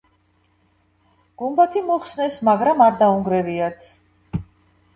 გუმბათი მოხსნეს, მაგრამ არ დაუნგრევიათ.